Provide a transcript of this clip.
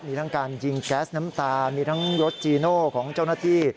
มีทั้งการยิงแก๊สน้ำตามีทั้งรถจีโน่ของเจ้าหน้าที่